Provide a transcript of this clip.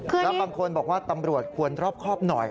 แล้วบางคนบอกว่าตำรวจควรรอบครอบหน่อย